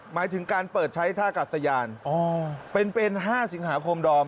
หมายถึงการเปิดใช้ท่ากัดสยานเป็น๕สิงหาคมดอม